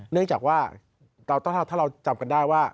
เนื่องจากว่าถ้าเราจำกันได้ว่า